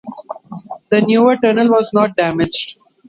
The newer tunnel was not damaged.